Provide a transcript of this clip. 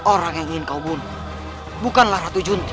orang yang ingin kau bunuh bukanlah ratu junti